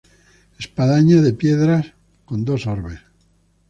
Espadaña de piedra con dos orbes.